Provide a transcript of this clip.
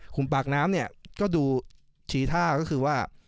ปากน้ำเนี่ยก็ดูทีท่าก็คือว่า